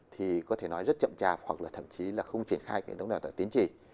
thì có thể nói rất chậm chạp hoặc là thậm chí là không triển khai hệ thống đào tạo tín chỉ